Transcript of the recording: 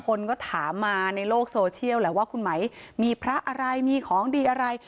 คนก็ถามมาในโลกโซเชียลแหละว่าคุณไหมมีพระอะไรมีของดีอะไร